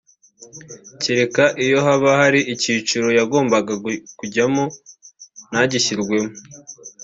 cyereka iyo haba hari icyiciro yagombaga kujyamo ntagishyirwemo